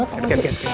kat kat kat